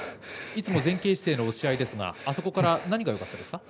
いつも前傾姿勢ですがあそこから何がよかったですか？